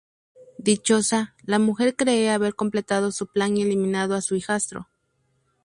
Dichosa, la mujer cree haber completado su plan y eliminado a su hijastro.